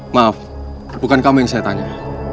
maaf bukan kamu yang saya tanya